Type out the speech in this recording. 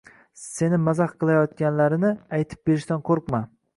Seni mazax qilayotganlarini aytib berishdan qo‘rqma.